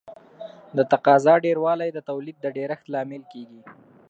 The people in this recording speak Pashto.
د تقاضا ډېروالی د تولید د ډېرښت لامل کیږي.